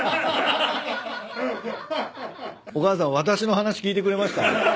お母さん私の話聞いてくれました？